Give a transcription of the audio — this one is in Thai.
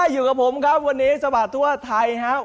อยู่กับผมครับวันนี้สะบัดทั่วไทยครับ